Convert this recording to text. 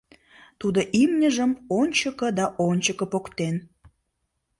Тудо имньыжым ончыко да ончыко поктен.